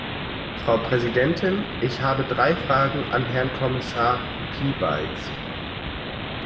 Frau Präsidentin! Ich habe drei Fragen an Herrn Kommissar Piebalgs.